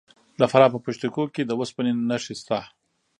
د فراه په پشت کوه کې د وسپنې نښې شته.